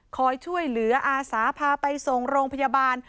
คอยช่วยเหลืออาสาพาไปส่งโรงพยาบาล